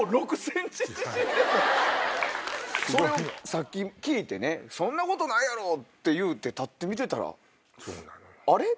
さっき聞いてそんなことないやろって言うて立って見てたら。